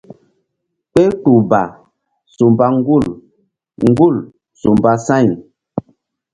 Kpehkpuh ba su mba ŋgul ŋgul su mba sa̧y.